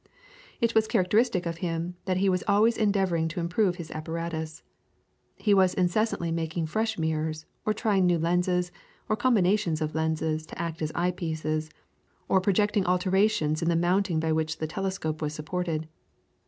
It was characteristic of him that he was always endeavouring to improve his apparatus. He was incessantly making fresh mirrors, or trying new lenses, or combinations of lenses to act as eye pieces, or projecting alterations in the mounting by which the telescope was supported.